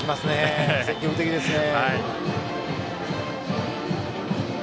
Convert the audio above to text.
積極的ですね。